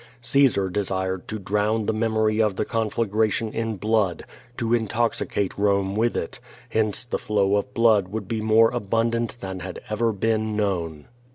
Caesar desired to drown the memory of the conflagration in blood, to intoxicate Bome with it, hence the flow of blood would be more abundant than had ever been known.